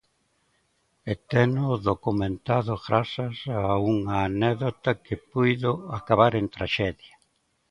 E teno documentado grazas a unha anécdota que puido acabar en traxedia.